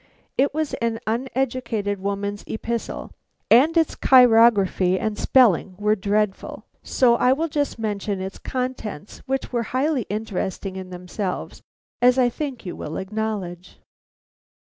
It was an uneducated woman's epistle and its chirography and spelling were dreadful; so I will just mention its contents, which were highly interesting in themselves, as I think you will acknowledge.